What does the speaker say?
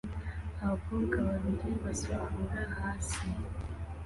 Abakobwa babiri basukura hasi